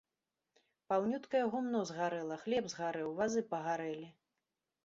Паўнюткае гумно згарэла, хлеб згарэў, вазы пагарэлі.